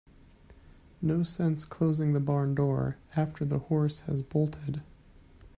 No sense closing the barn door after the horse has bolted.